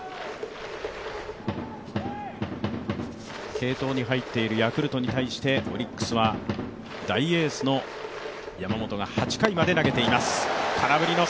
継投に入っているヤクルトに対してオリックスは大エースの山本が８回まで投げています。